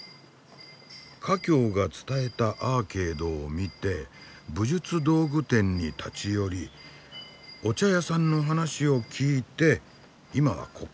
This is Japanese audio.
華僑が伝えたアーケードを見て武術道具店に立ち寄りお茶屋さんの話を聞いていまはここ。